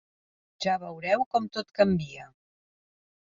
Ja veureu com tot canvia.